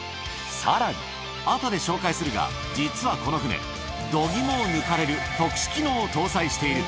さらに、あとで紹介するが、実はこの船、どぎもを抜かれる特殊機能を搭載している。